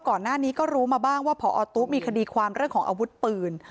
ก่อนหน้านี้ก็รู้มาบ้างว่าพอตุ๊มีคดีความเรื่องของอาวุธปืน